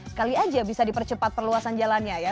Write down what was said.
sekali aja bisa dipercepat perluasan jalannya ya